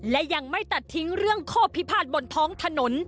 และยังไม่ตัดทิ้งเรื่องข้อพิพาทบนท้องถนน